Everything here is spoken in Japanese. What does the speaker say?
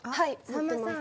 さんまさん